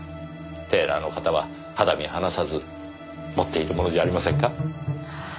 テーラーの方は肌身離さず持っているものじゃありませんか？